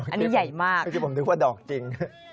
อันนี้ใหญ่มากก็คิดผมนึกว่าดอกจริง